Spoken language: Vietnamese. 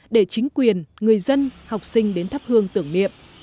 để chính quyền người dân học sinh đến thắp hương tưởng niệm